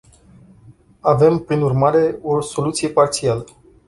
Avem, prin urmare, o soluție parțială.